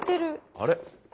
あれ？